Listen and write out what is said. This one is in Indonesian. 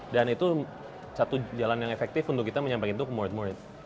dan itu satu jalan yang efektif untuk kita menyampaikan itu ke murid murid